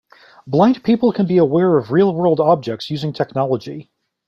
Blind people can be aware of real world objects using technology.